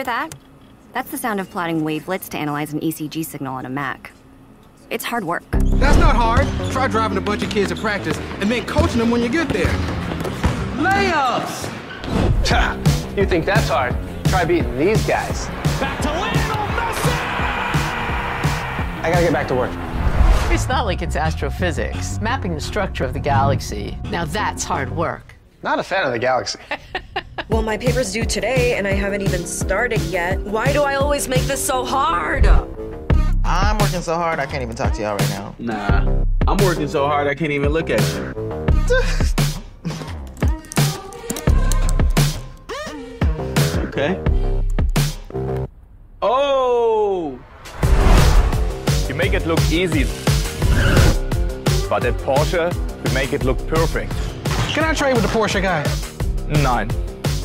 I lost a lover yesterday. Guess our body just fade away. I just ain't met the right one. Maybe she's hearing this song. If so, keep calm and carry on. The paved path... from your house to mine. Hear that? That's the sound of plotting wavelets to analyze an ECG signal on a Mac. It's hard work. That's not hard! Try driving a bunch of kids to practice, and then coaching them when you get there. Layups! You think that's hard? Try beating these guys. Back to Lionel Messi! I gotta get back to work. It's not like it's astrophysics. Mapping the structure of the galaxy, now that's hard work. Not a fan of the galaxy. Well, my paper's due today, and I haven't even started yet. Why do I always make this so hard? I'm working so hard, I can't even talk to y'all right now. Nah, I'm working so hard, I can't even look at you. Okay. Oh! You make it look easy, but at Porsche, we make it look perfect. Can I trade with the Porsche guy? No.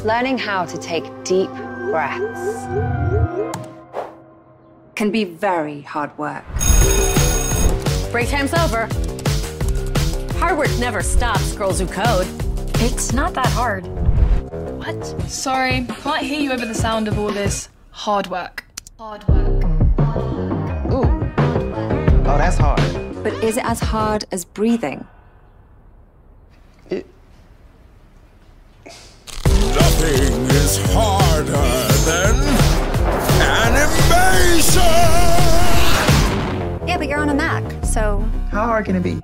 Learning how to take deep breaths can be very hard work. Break time's over. Hard work never stops, Girls Who Code. It's not that hard. What? Sorry, can't hear you over the sound of all this hard work. Hard work. Hard work. Ooh. Oh, that's hard. But is it as hard as breathing? Nothing is harder than animation! Yeah, but you're on a Mac, so. How hard can it be?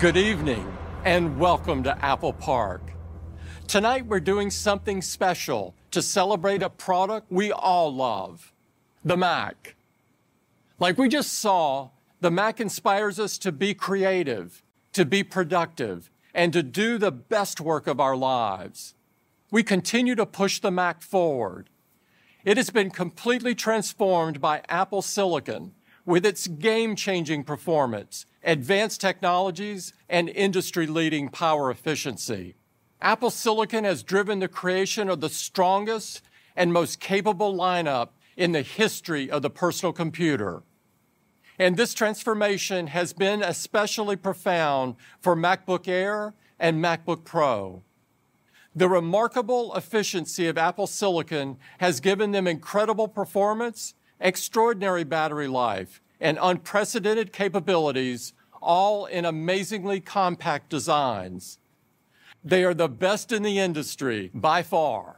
Good evening, and welcome to Apple Park. Tonight, we're doing something special to celebrate a product we all love: the Mac. Like we just saw, the Mac inspires us to be creative, to be productive, and to do the best work of our lives. We continue to push the Mac forward. It has been completely transformed by Apple silicon, with its game-changing performance, advanced technologies, and industry-leading power efficiency. Apple silicon has driven the creation of the strongest and most capable lineup in the history of the personal computer. This transformation has been especially profound for MacBook Air and MacBook Pro. The remarkable efficiency of Apple silicon has given them incredible performance, extraordinary battery life, and unprecedented capabilities, all in amazingly compact designs. They are the best in the industry by far.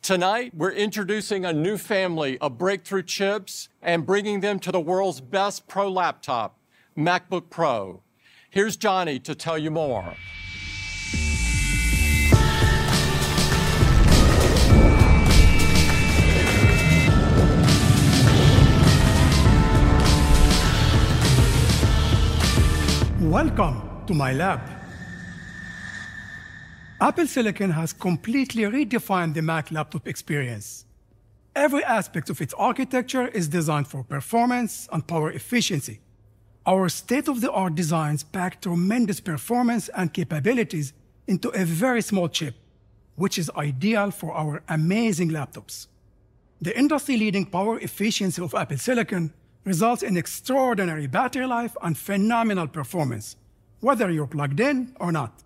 Tonight, we're introducing a new family of breakthrough chips and bringing them to the world's best pro laptop, MacBook Pro. Here's Johny to tell you more. Welcome to my lab! Apple silicon has completely redefined the Mac laptop experience. Every aspect of its architecture is designed for performance and power efficiency. Our state-of-the-art designs pack tremendous performance and capabilities into a very small chip, which is ideal for our amazing laptops. The industry-leading power efficiency of Apple silicon results in extraordinary battery life and phenomenal performance, whether you're plugged in or not.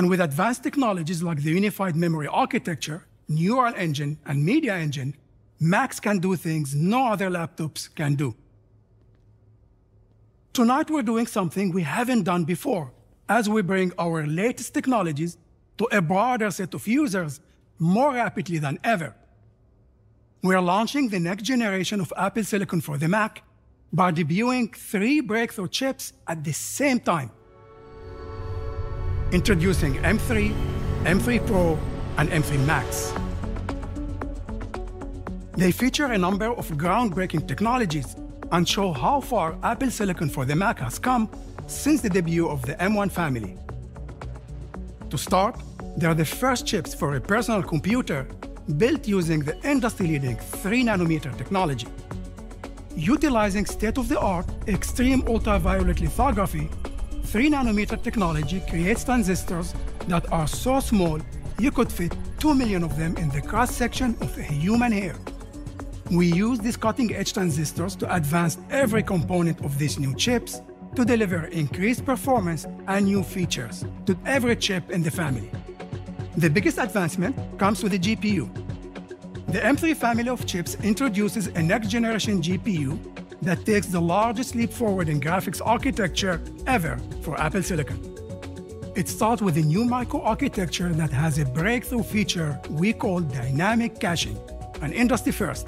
With advanced technologies like the unified memory architecture, Neural Engine, and Media Engine, Macs can do things no other laptops can do. Tonight, we're doing something we haven't done before as we bring our latest technologies to a broader set of users more rapidly than ever. We are launching the next generation of Apple silicon for the Mac by debuting three breakthrough chips at the same time. Introducing M3, M3 Pro, and M3 Max. They feature a number of groundbreaking technologies and show how far Apple silicon for the Mac has come since the debut of the M1 family. To start, they are the first chips for a personal computer built using the industry-leading 3 nm technology. Utilizing state-of-the-art extreme ultraviolet lithography, 3 nm technology creates transistors that are so small you could fit two million of them in the cross-section of a human hair. We use these cutting-edge transistors to advance every component of these new chips to deliver increased performance and new features to every chip in the family. The biggest advancement comes with the GPU. The M3 family of chips introduces a next-generation GPU that takes the largest leap forward in graphics architecture ever for Apple silicon. It starts with a new microarchitecture that has a breakthrough feature we call Dynamic Caching, an industry first.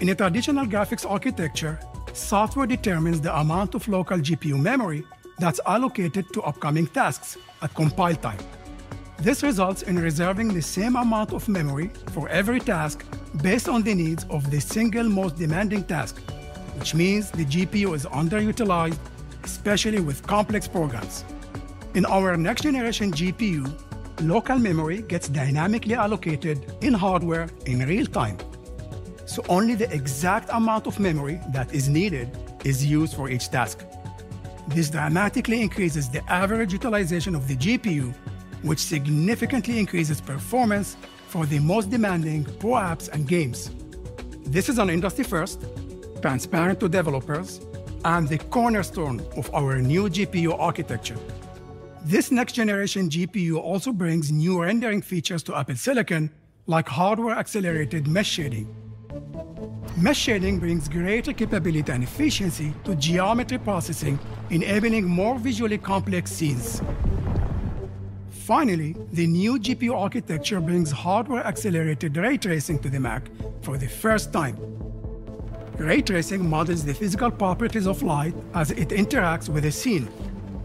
In a traditional graphics architecture, software determines the amount of local GPU memory that's allocated to upcoming tasks at compile time. This results in reserving the same amount of memory for every task based on the needs of the single most demanding task, which means the GPU is underutilized, especially with complex programs. In our next-generation GPU, local memory gets dynamically allocated in hardware in real time, so only the exact amount of memory that is needed is used for each task. This dramatically increases the average utilization of the GPU, which significantly increases performance for the most demanding pro apps and games. This is an industry first, transparent to developers, and the cornerstone of our new GPU architecture. This next-generation GPU also brings new rendering features to Apple silicon, like hardware-accelerated mesh shading. Mesh shading brings greater capability and efficiency to geometry processing, enabling more visually complex scenes. Finally, the new GPU architecture brings hardware-accelerated ray tracing to the Mac for the first time. Ray tracing models the physical properties of light as it interacts with a scene,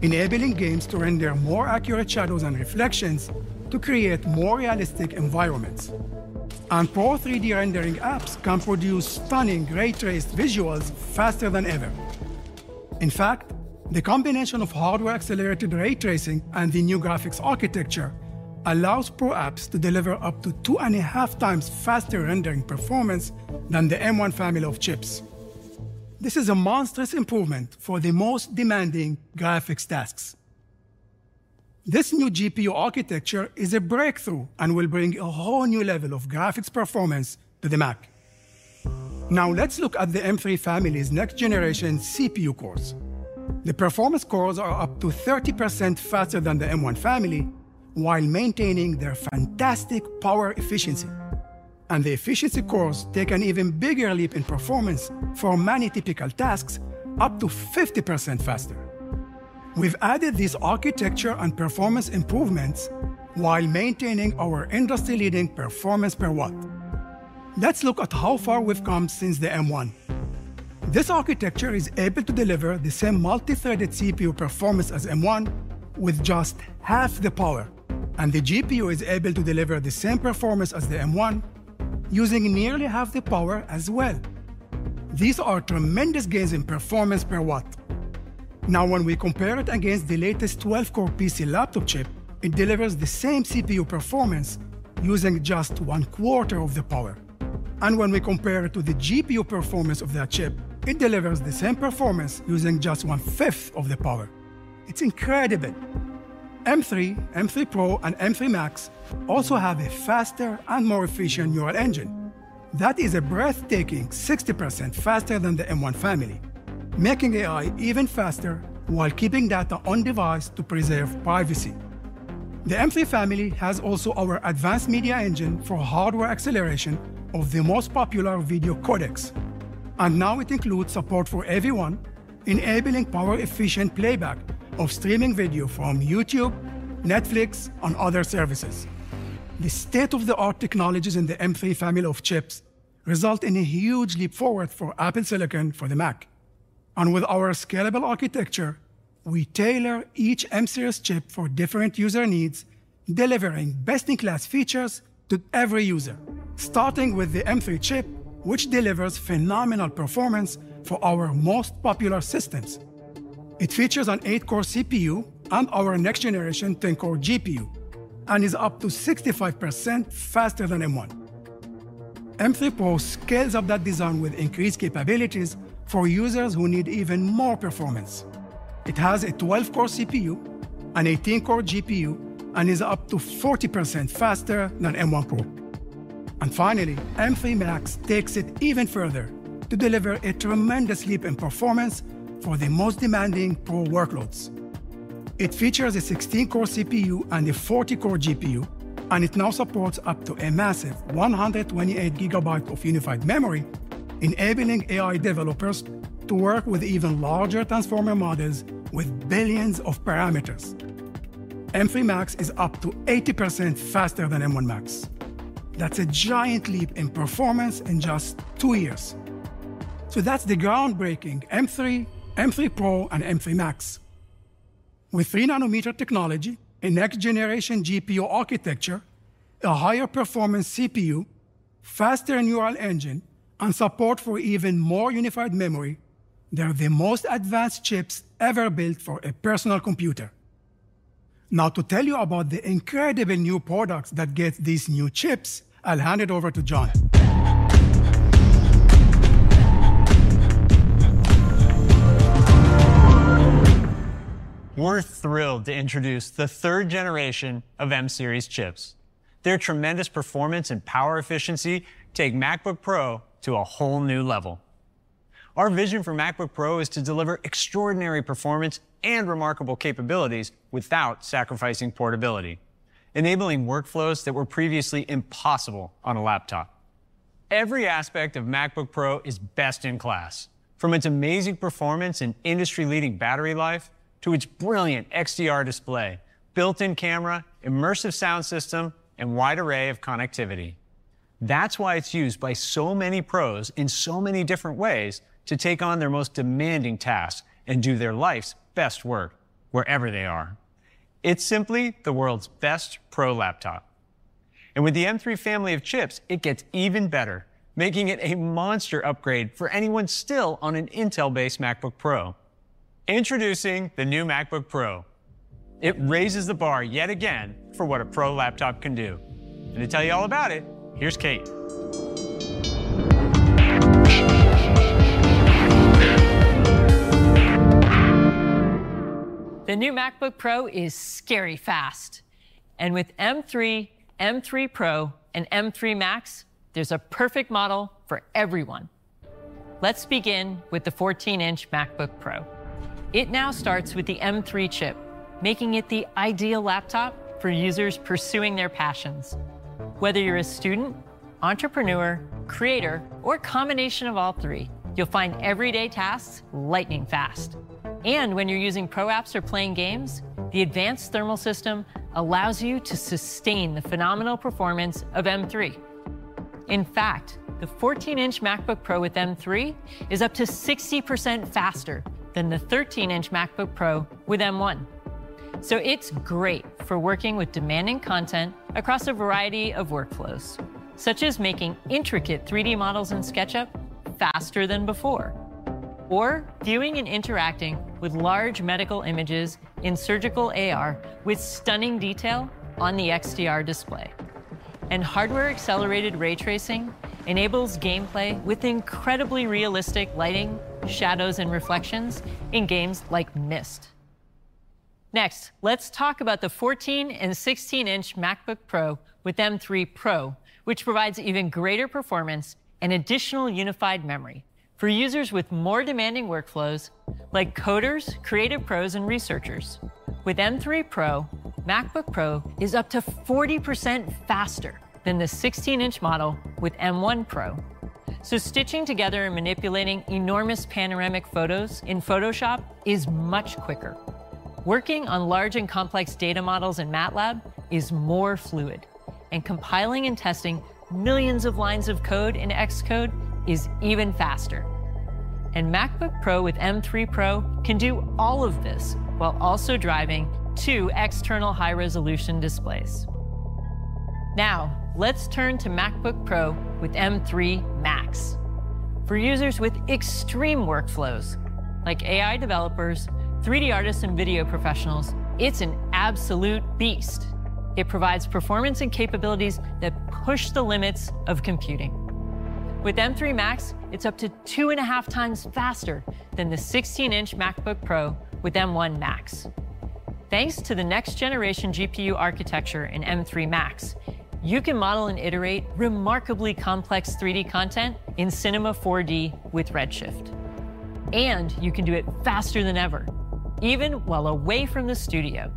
enabling games to render more accurate shadows and reflections to create more realistic environments. Pro 3D rendering apps can produce stunning ray-traced visuals faster than ever. In fact, the combination of hardware-accelerated ray tracing and the new graphics architecture allows Pro apps to deliver up to 2.5x faster rendering performance than the M1 family of chips. This is a monstrous improvement for the most demanding graphics tasks. This new GPU architecture is a breakthrough and will bring a whole new level of graphics performance to the Mac. Now, let's look at the M3 family's next-generation CPU cores. The performance cores are up to 30% faster than the M1 family while maintaining their fantastic power efficiency. The efficiency cores take an even bigger leap in performance for many typical tasks, up to 50% faster. We've added these architecture and performance improvements while maintaining our industry-leading performance per watt. Let's look at how far we've come since the M1. This architecture is able to deliver the same multi-threaded CPU performance as M1 with just half the power, and the GPU is able to deliver the same performance as the M1 using nearly half the power as well. These are tremendous gains in performance per watt. Now, when we compare it against the latest 12-core PC laptop chip, it delivers the same CPU performance using just one-quarter of the power. When we compare it to the GPU performance of that chip, it delivers the same performance using just 1/5 of the power. It's incredible! M3, M3 Pro, and M3 Max also have a faster and more efficient Neural Engine that is a breathtaking 60% faster than the M1 family, making AI even faster while keeping data on device to preserve privacy. The M3 family has also our advanced Media Engine for hardware acceleration of the most popular video codecs, and now it includes support for AV1, enabling power-efficient playback of streaming video from YouTube, Netflix, and other services. The state-of-the-art technologies in the M3 family of chips result in a huge leap forward for Apple silicon for the Mac. With our scalable architecture, we tailor each M-series chip for different user needs, delivering best-in-class features to every user. Starting with the M3 chip, which delivers phenomenal performance for our most popular systems. It features an 8-core CPU and our next generation 10-core GPU, and is up to 65% faster than M1. M3 Pro scales up that design with increased capabilities for users who need even more performance. It has a 12-core CPU, an 18-core GPU, and is up to 40% faster than M1 Pro. Finally, M3 Max takes it even further to deliver a tremendous leap in performance for the most demanding Pro workloads. It features a 16-core CPU and a 40-core GPU, and it now supports up to a massive 128 GB of unified memory, enabling AI developers to work with even larger transformer models with billions of parameters. M3 Max is up to 80% faster than M1 Max. That's a giant leap in performance in just two years. So that's the groundbreaking M3, M3 Pro, and M3 Max. With 3 nm technology, a next-generation GPU architecture, a higher performance CPU, faster Neural Engine, and support for even more unified memory, they're the most advanced chips ever built for a personal computer. Now, to tell you about the incredible new products that get these new chips, I'll hand it over to John. We're thrilled to introduce the third generation of M-series chips. Their tremendous performance and power efficiency take MacBook Pro to a whole new level. Our vision for MacBook Pro is to deliver extraordinary performance and remarkable capabilities without sacrificing portability, enabling workflows that were previously impossible on a laptop. Every aspect of MacBook Pro is best-in-class, from its amazing performance and industry-leading battery life, to its brilliant XDR display, built-in camera, immersive sound system, and wide array of connectivity. That's why it's used by so many pros in so many different ways to take on their most demanding tasks and do their life's best work, wherever they are. It's simply the world's best pro laptop. With the M3 family of chips, it gets even better, making it a monster upgrade for anyone still on an Intel-based MacBook Pro. Introducing the new MacBook Pro. It raises the bar yet again for what a Pro laptop can do. To tell you all about it, here's Kate. The new MacBook Pro is scary fast, and with M3, M3 Pro, and M3 Max, there's a perfect model for everyone. Let's begin with the 14-inch MacBook Pro. It now starts with the M3 chip, making it the ideal laptop for users pursuing their passions. Whether you're a student, entrepreneur, creator, or combination of all three, you'll find everyday tasks lightning fast. And when you're using pro apps or playing games, the advanced thermal system allows you to sustain the phenomenal performance of M3. In fact, the 14-inch MacBook Pro with M3 is up to 60% faster than the 13-inch MacBook Pro with M1. So it's great for working with demanding content across a variety of workflows, such as making intricate 3D models in SketchUp faster than before, or viewing and interacting with large medical images in surgical AR with stunning detail on the XDR display. Hardware-accelerated ray tracing enables gameplay with incredibly realistic lighting, shadows, and reflections in games like Myst. Next, let's talk about the 14 and 16-inch MacBook Pro with M3 Pro, which provides even greater performance and additional unified memory for users with more demanding workflows, like coders, creative pros, and researchers. With M3 Pro, MacBook Pro is up to 40% faster than the 16-inch model with M1 Pro. Stitching together and manipulating enormous panoramic photos in Photoshop is much quicker. Working on large and complex data models in MATLAB is more fluid, and compiling and testing millions of lines of code in Xcode is even faster. MacBook Pro with M3 Pro can do all of this while also driving two external high-resolution displays. Now, let's turn to MacBook Pro with M3 Max. For users with extreme workflows, like AI developers, 3D artists, and video professionals, it's an absolute beast. It provides performance and capabilities that push the limits of computing. With M3 Max, it's up to 2.5x faster than the 16-inch MacBook Pro with M1 Max. Thanks to the next-generation GPU architecture in M3 Max, you can model and iterate remarkably complex 3D content in Cinema 4D with Redshift, and you can do it faster than ever, even while away from the studio.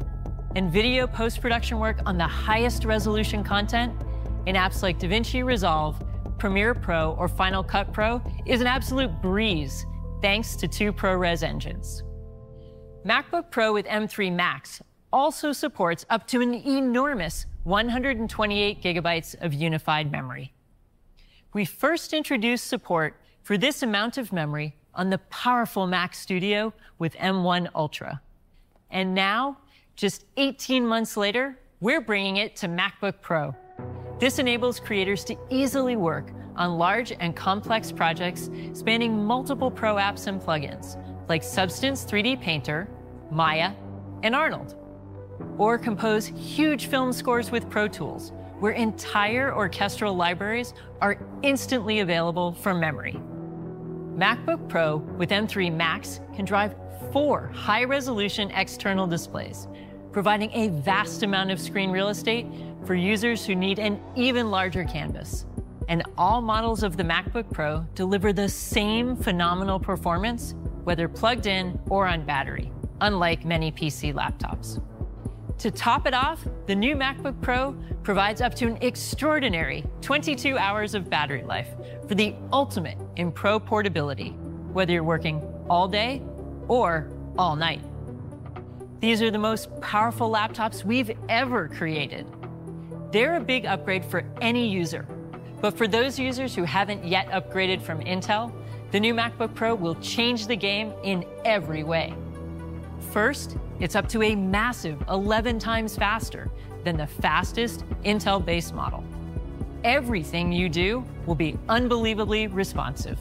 And video post-production work on the highest resolution content in apps like DaVinci Resolve, Premiere Pro, or Final Cut Pro is an absolute breeze, thanks to two ProRes engines. MacBook Pro with M3 Max also supports up to an enormous 128 GB of unified memory. We first introduced support for this amount of memory on the powerful Mac Studio with M1 Ultra, and now, just 18 months later, we're bringing it to MacBook Pro. This enables creators to easily work on large and complex projects spanning multiple pro apps and plugins, like Substance 3D Painter, Maya, and Arnold. Or compose huge film scores with Pro Tools, where entire orchestral libraries are instantly available from memory. MacBook Pro with M3 Max can drive four high-resolution external displays, providing a vast amount of screen real estate for users who need an even larger canvas. And all models of the MacBook Pro deliver the same phenomenal performance, whether plugged in or on battery, unlike many PC laptops. To top it off, the new MacBook Pro provides up to an extraordinary 22 hours of battery life for the ultimate in Pro portability, whether you're working all day or all night. These are the most powerful laptops we've ever created. They're a big upgrade for any user, but for those users who haven't yet upgraded from Intel, the new MacBook Pro will change the game in every way. First, it's up to a massive 11x faster than the fastest Intel-based model. Everything you do will be unbelievably responsive.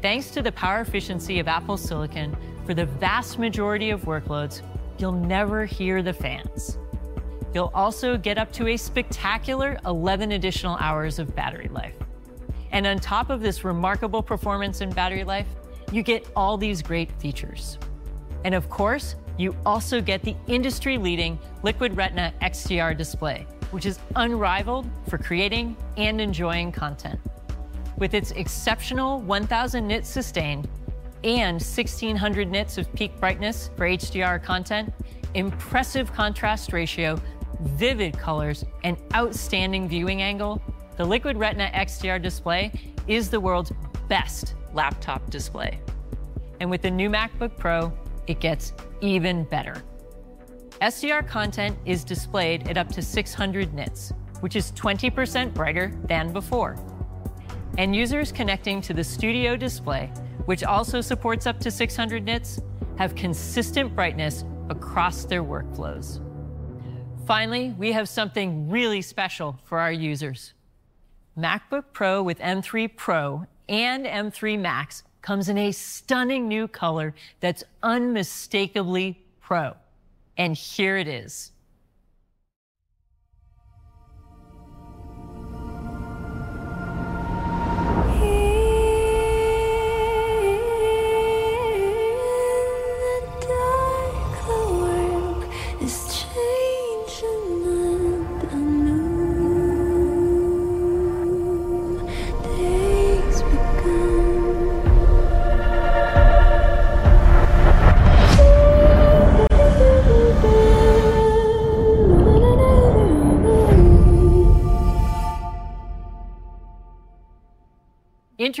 Thanks to the power efficiency of Apple silicon, for the vast majority of workloads, you'll never hear the fans. You'll also get up to a spectacular 11 additional hours of battery life. On top of this remarkable performance and battery life, you get all these great features. Of course, you also get the industry-leading Liquid Retina XDR display, which is unrivaled for creating and enjoying content. With its exceptional 1,000 nits sustained and 1,600 nits of peak brightness for HDR content, impressive contrast ratio, vivid colors, and outstanding viewing angle, the Liquid Retina XDR display is the world's best laptop display, and with the new MacBook Pro, it gets even better. SDR content is displayed at up to 600 nits, which is 20% brighter than before, and users connecting to the Studio Display, which also supports up to 600 nits, have consistent brightness across their workflows. Finally, we have something really special for our users. MacBook Pro with M3 Pro and M3 Max comes in a stunning new color that's unmistakably Pro, and here it is.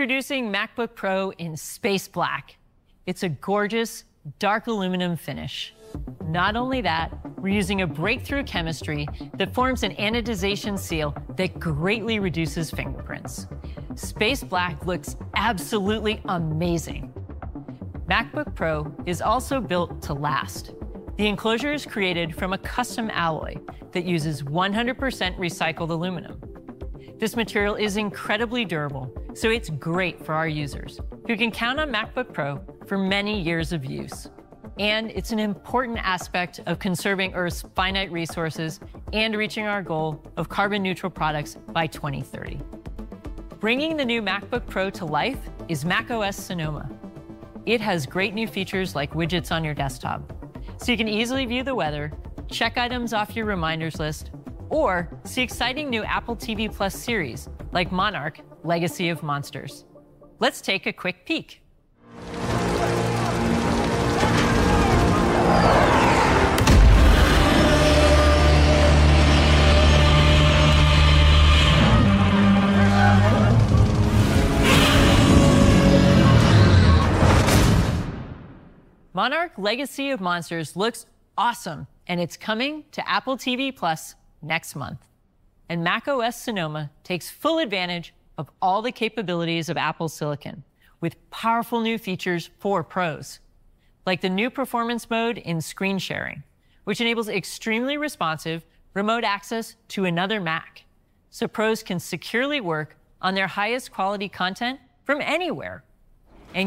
In the dark, the world is changing and a new day's begun. Introducing MacBook Pro in space black. It's a gorgeous dark aluminum finish. Not only that, we're using a breakthrough chemistry that forms an anodization seal that greatly reduces fingerprints. Space black looks absolutely amazing. MacBook Pro is also built to last. The enclosure is created from a custom alloy that uses 100% recycled aluminum. This material is incredibly durable, so it's great for our users, who can count on MacBook Pro for many years of use. It's an important aspect of conserving Earth's finite resources and reaching our goal of carbon-neutral products by 2030. Bringing the new MacBook Pro to life is macOS Sonoma. It has great new features like widgets on your desktop, so you can easily view the weather, check items off your reminders list, or see exciting new Apple TV+ series, like Monarch: Legacy of Monsters. Let's take a quick peek. Monarch: Legacy of Monsters looks awesome, and it's coming to Apple TV+ next month. macOS Sonoma takes full advantage of all the capabilities of Apple silicon, with powerful new features for pros, like the new performance mode in screen sharing, which enables extremely responsive remote access to another Mac, so pros can securely work on their highest quality content from anywhere.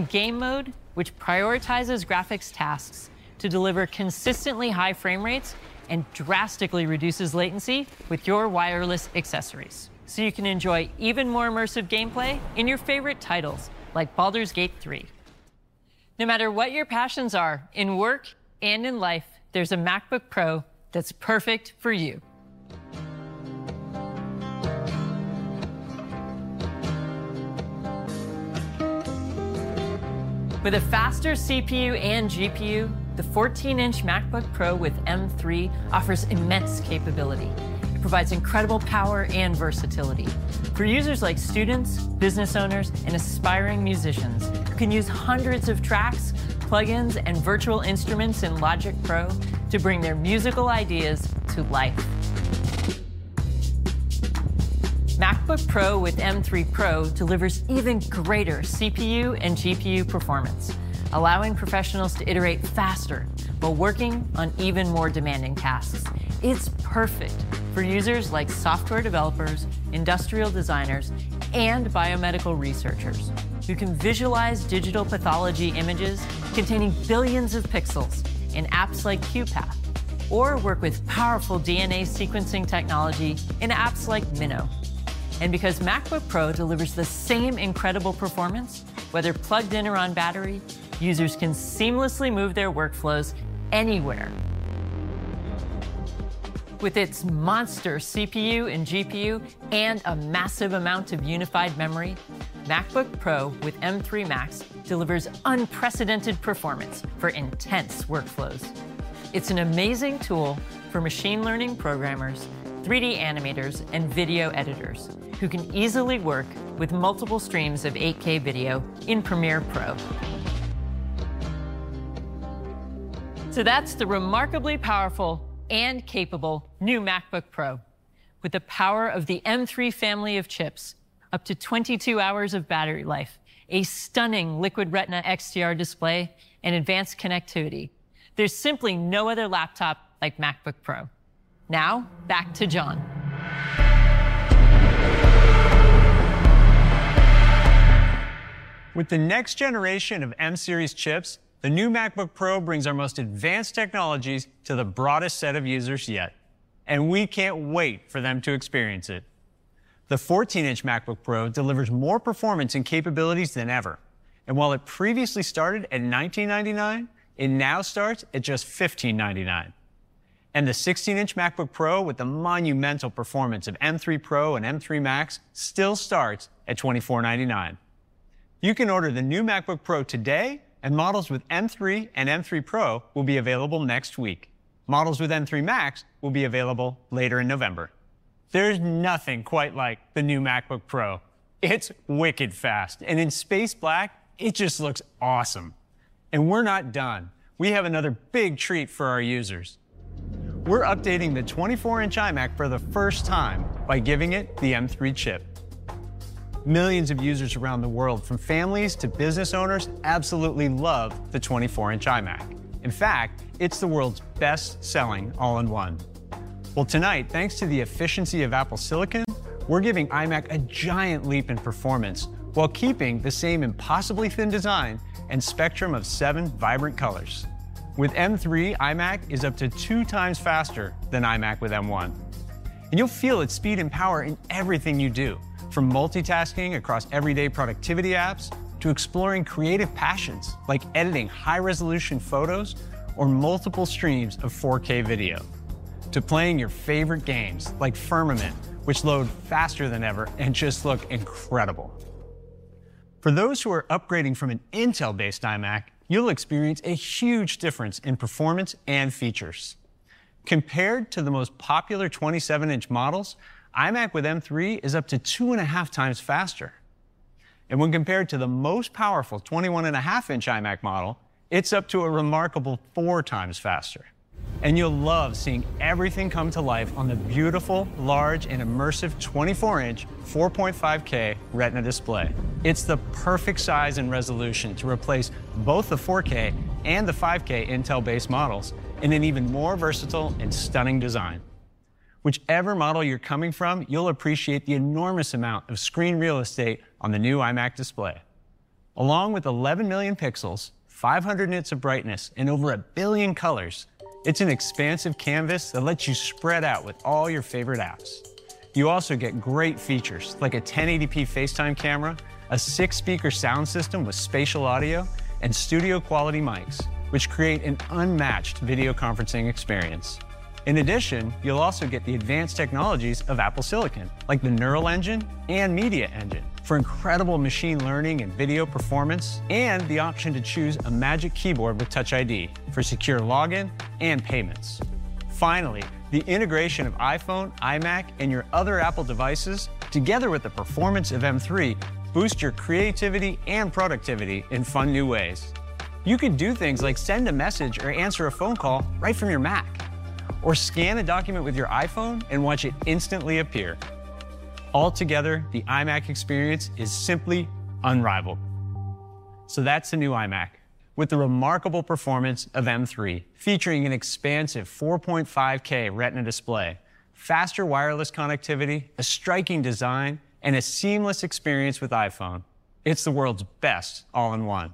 Game Mode, which prioritizes graphics tasks to deliver consistently high frame rates and drastically reduces latency with your wireless accessories, so you can enjoy even more immersive gameplay in your favorite titles, like Baldur's Gate 3. No matter what your passions are, in work and in life, there's a MacBook Pro that's perfect for you. With a faster CPU and GPU, the 14-inch MacBook Pro with M3 offers immense capability. It provides incredible power and versatility for users like students, business owners, and aspiring musicians, who can use hundreds of tracks, plug-ins, and virtual instruments in Logic Pro to bring their musical ideas to life. MacBook Pro with M3 Pro delivers even greater CPU and GPU performance, allowing professionals to iterate faster while working on even more demanding tasks. It's perfect for users like software developers, industrial designers, and biomedical researchers, who can visualize digital pathology images containing billions of pixels in apps like QuPath, or work with powerful DNA sequencing technology in apps like MinKNOW. Because MacBook Pro delivers the same incredible performance, whether plugged in or on battery, users can seamlessly move their workflows anywhere. With its monster CPU and GPU and a massive amount of unified memory, MacBook Pro with M3 Max delivers unprecedented performance for intense workflows. It's an amazing tool for machine learning programmers, 3D animators, and video editors, who can easily work with multiple streams of 8K video in Premiere Pro. So that's the remarkably powerful and capable new MacBook Pro. With the power of the M3 family of chips, up to 22 hours of battery life, a stunning Liquid Retina XDR display, and advanced connectivity, there's simply no other laptop like MacBook Pro. Now, back to John. With the next generation of M-series chips, the new MacBook Pro brings our most advanced technologies to the broadest set of users yet, and we can't wait for them to experience it. The 14-inch MacBook Pro delivers more performance and capabilities than ever, and while it previously started at $1,999, it now starts at just $1,599. The 16-inch MacBook Pro with the monumental performance of M3 Pro and M3 Max still starts at $2,499. You can order the new MacBook Pro today, and models with M3 and M3 Pro will be available next week. Models with M3 Max will be available later in November. There's nothing quite like the new MacBook Pro. It's wicked fast, and in space black, it just looks awesome. We're not done. We have another big treat for our users. We're updating the 24-inch iMac for the first time by giving it the M3 chip. Millions of users around the world, from families to business owners, absolutely love the 24-inch iMac. In fact, it's the world's best-selling all-in-one. Well, tonight, thanks to the efficiency of Apple silicon, we're giving iMac a giant leap in performance while keeping the same impossibly thin design and spectrum of seven vibrant colors. With M3, iMac is up to two times faster than iMac with M1, and you'll feel its speed and power in everything you do, from multitasking across everyday productivity apps to exploring creative passions, like editing high-resolution photos or multiple streams of 4K video, to playing your favorite games, like Firmament, which load faster than ever and just look incredible. For those who are upgrading from an Intel-based iMac, you'll experience a huge difference in performance and features. Compared to the most popular 27-inch models, iMac with M3 is up to 2.5x faster, and when compared to the most powerful 21.5-inch iMac model, it's up to a remarkable 4x faster. You'll love seeing everything come to life on the beautiful, large, and immersive 24-inch 4.5K Retina display. It's the perfect size and resolution to replace both the 4K and the 5K Intel-based models in an even more versatile and stunning design. Whichever model you're coming from, you'll appreciate the enormous amount of screen real estate on the new iMac display. Along with 11 million pixels, 500 nits of brightness, and over a billion colors, it's an expansive canvas that lets you spread out with all your favorite apps. You also get great features, like a 1080p FaceTime camera, a six-speaker sound system with Spatial Audio, and studio-quality mics, which create an unmatched video conferencing experience. In addition, you'll also get the advanced technologies of Apple silicon, like the Neural Engine and Media Engine, for incredible machine learning and video performance, and the option to choose a Magic Keyboard with Touch ID for secure login and payments. Finally, the integration of iPhone, iMac, and your other Apple devices, together with the performance of M3, boost your creativity and productivity in fun new ways. You can do things like send a message or answer a phone call right from your Mac, or scan a document with your iPhone and watch it instantly appear. Altogether, the iMac experience is simply unrivaled. So that's the new iMac. With the remarkable performance of M3, featuring an expansive 4.5K Retina display, faster wireless connectivity, a striking design, and a seamless experience with iPhone. It's the world's best all-in-one.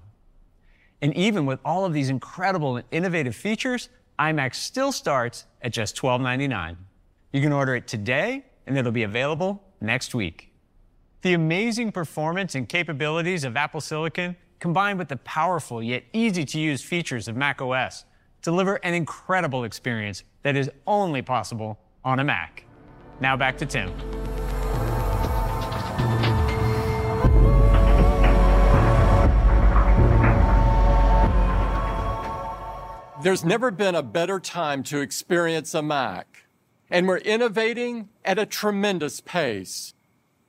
Even with all of these incredible and innovative features, iMac still starts at just $1,299. You can order it today, and it'll be available next week. The amazing performance and capabilities of Apple silicon, combined with the powerful yet easy-to-use features of macOS, deliver an incredible experience that is only possible on a Mac. Now back to Tim. There's never been a better time to experience a Mac, and we're innovating at a tremendous pace.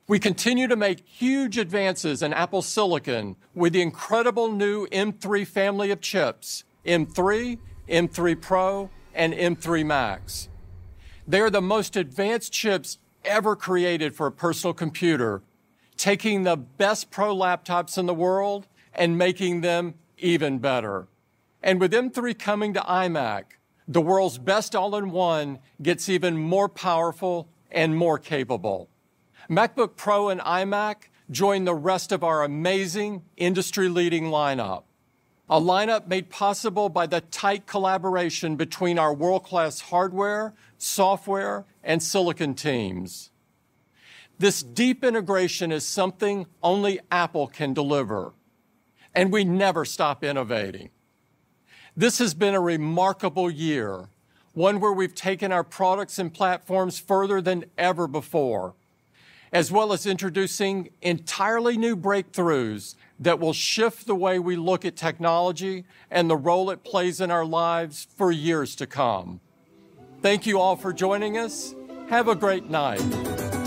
We continue to make huge advances in Apple silicon with the incredible new M3 family of chips: M3, M3 Pro, and M3 Max. They are the most advanced chips ever created for a personal computer, taking the best pro laptops in the world and making them even better. And with M3 coming to iMac, the world's best all-in-one gets even more powerful and more capable. MacBook Pro and iMac join the rest of our amazing, industry-leading lineup, a lineup made possible by the tight collaboration between our world-class hardware, software, and silicon teams. This deep integration is something only Apple can deliver, and we never stop innovating. This has been a remarkable year, one where we've taken our products and platforms further than ever before, as well as introducing entirely new breakthroughs that will shift the way we look at technology and the role it plays in our lives for years to come. Thank you all for joining us. Have a great night.